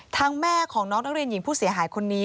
แม่ของน้องนักเรียนหญิงผู้เสียหายคนนี้